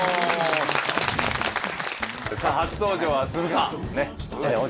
さあ初登場は鈴鹿央士